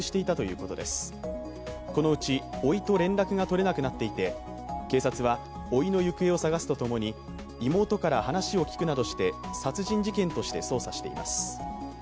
このうちおいと連絡が取れなくなっていて警察はおいの行方を捜すとともに、妹から話を聞くなどして、殺人事件として捜査しています。